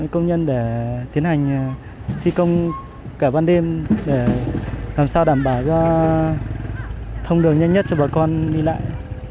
công nhân để tiến hành thi công cả ban đêm để làm sao đảm bảo cho thông đường nhanh nhất cho bà con đi lại